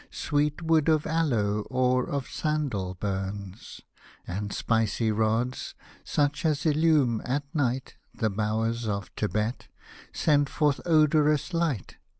Sweet wood of aloe or of sandal burns ; And spicy rods, such as illume at night The bowers of Tibet, send forth odorous light.